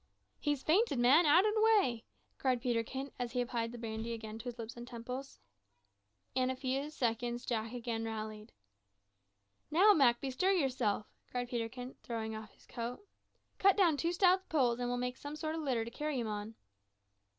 "He's fainted, man; out o' the way!" cried Peterkin, as he applied the brandy again to his lips and temples. In a few seconds Jack again rallied. "Now, Mak, bestir yourself," cried Peterkin, throwing off his coat. "Cut down two stout poles, and we'll make some sort of litter to carry him on."